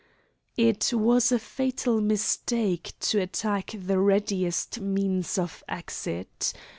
It was a fatal mistake to attack the readiest means of exit.